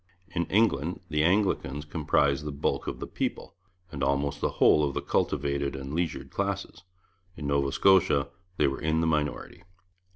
In England the Anglicans comprised the bulk of the people, and almost the whole of the cultivated and leisured classes; in Nova Scotia they were in the minority.